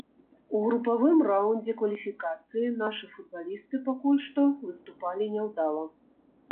У групавым раундзе кваліфікацыі нашы футбалісты пакуль што выступалі няўдала.